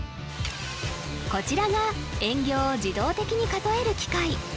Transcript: こちらが円形を自動的に数える機械